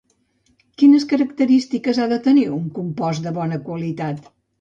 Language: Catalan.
Quines característiques ha de tenir un compost de bona qualitat?